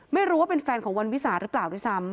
ไม่รู้ว่าเป็นแฟนของวันวิสาหรือเปล่าด้วยซ้ำ